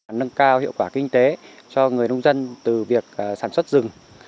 nâng cao hiệu quả kinh tế cho người nông dân từ việc sản xuất rừng